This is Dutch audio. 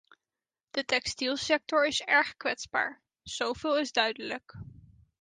De textielsector is erg kwetsbaar, zoveel is duidelijk.